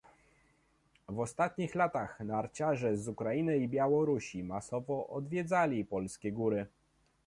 W ostatnich latach narciarze z Ukrainy i Białorusi masowo odwiedzali polskie góry